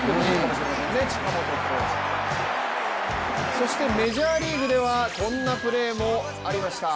そしてメジャーリーグではこんなプレーもありました。